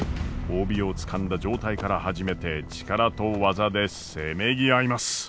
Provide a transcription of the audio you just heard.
帯をつかんだ状態から始めて力と技でせめぎ合います。